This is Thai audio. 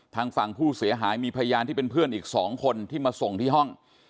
ทางฝั่งผู้เสียหายมีพยานที่เป็นเพื่อนอีก๒คนที่มาส่งที่ห้อง